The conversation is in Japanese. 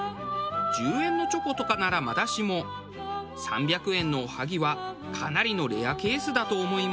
１０円のチョコとかならまだしも３００円のおはぎはかなりのレアケースだと思います。